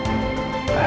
mencari bukti bukti itu